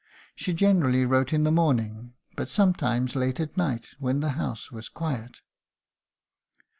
She generally wrote in the morning, but sometimes late at night, when the house was quiet."